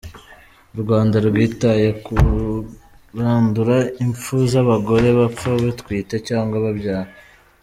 U Rwanda rwitaye ku kurandura impfu z’abagore bapfa batwite cyangwa babyara .